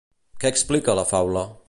Què explica la faula?